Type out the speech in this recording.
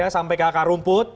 sampai ke akar rumput